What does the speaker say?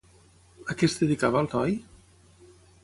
A què es dedicava el noi?